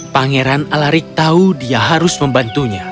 pangeran alarik tahu dia harus membantunya